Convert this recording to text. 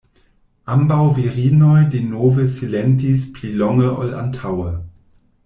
Ambaŭ virinoj denove silentis pli longe ol antaŭe.